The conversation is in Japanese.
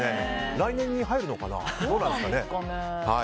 来年に入るのかな。